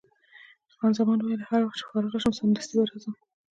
خان زمان وویل: هر وخت چې فارغه شوم، سمدستي به راځم.